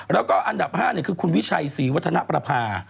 แล้วก็อันดับ๕คือคุณวิชัยศรีวัฒนประภา